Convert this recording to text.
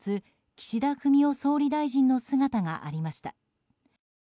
岸田文雄総理大臣の姿がありました。